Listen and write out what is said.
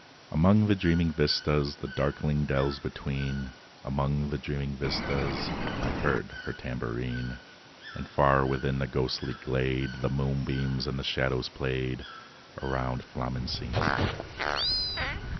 III Among the dreaming vistas, The darkling dells between, Among the dreaming vistas I heard her tambourine: And far within the ghostly glade The moonbeams and the shadows played Round Flamencine.